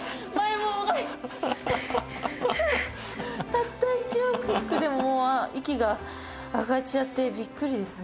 たった１往復でも息が上がっちゃってびっくりですよ。